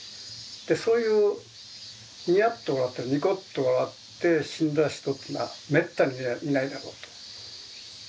でそういうニヤッと笑ったりニコッと笑って死んだ人っていうのはめったにいないだろうと。